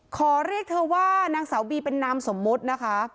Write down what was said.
ขอเรียกเธอว่านางสาวบีเป็นนามสมมุตินะคะ